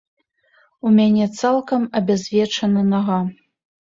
У мяне цалкам абязвечана нага.